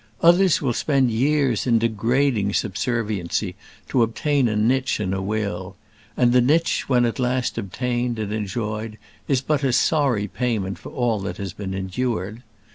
Others will spend years in degrading subserviency to obtain a niche in a will; and the niche, when at last obtained and enjoyed, is but a sorry payment for all that has been endured.